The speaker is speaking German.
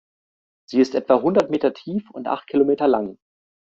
Sie ist etwa hundert Meter tief und acht Kilometer lang.